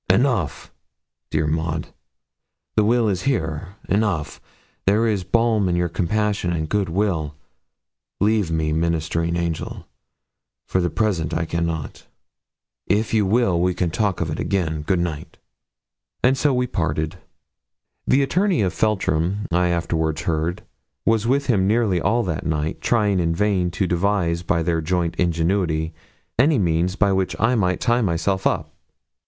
'Enough, dear Maud; the will is here enough: there is balm in your compassion and good will. Leave me, ministering angel; for the present I cannot. If you will, we can talk of it again. Good night.' And so we parted. The attorney from Feltram, I afterwards heard, was with him nearly all that night, trying in vain to devise by their joint ingenuity any means by which I might tie myself up.